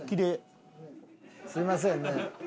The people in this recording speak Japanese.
すみませんね。